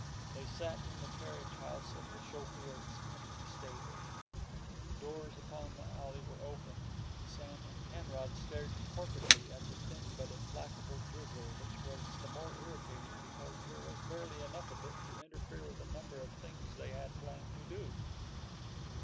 They sat in the carriage house of the Schofields' empty stable; the doors upon the alley were open, and Sam and Penrod stared torpidly at the thin but implacable drizzle which was the more irritating because there was barely enough of it to interfere with a number of things they had planned to do.